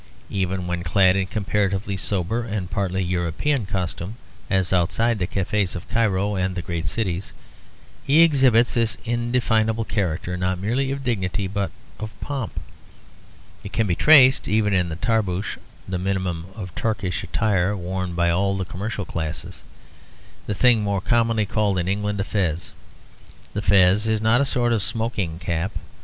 Even when clad in comparatively sober and partly European costume, as outside the cafes of Cairo and the great cities, he exhibits this indefinable character not merely of dignity but of pomp. It can be traced even in the tarbouch, the minimum of Turkish attire worn by all the commercial classes; the thing more commonly called in England a fez. The fez is not a sort of smoking cap.